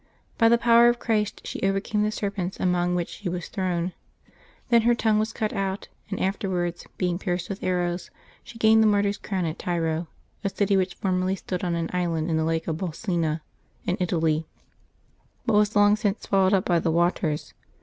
By the power of Christ she overcame the serpents among which she was thrown; then her tongue was cut out, and afterwards, being pierced with arrows, she gained the martyr's crown at Tyro, a city which formerly stood on an island in the lake of Bolsena in Italy, but was long since swallowed up by the waters.